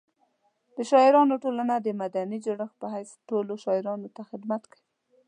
د شاعرانو ټولنه د مدني جوړښت په حیث ټولو شاعرانو ته خدمت کوي.